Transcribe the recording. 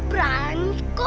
aku berani kok